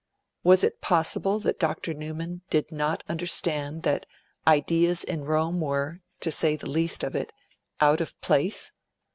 Was it possible that Dr. Newman did not understand that ideas in Rome were, to say the least of it, out of place?